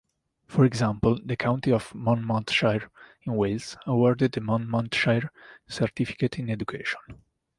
For example, the county of Monmouthshire in Wales awarded the Monmouthshire Certificate in Education.